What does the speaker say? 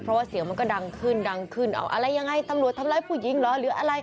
เพราะเสียงมันก็ดังขึ้นเอาอะไรยังไงตำรวจทำร้ายผู้หญิงเหรอ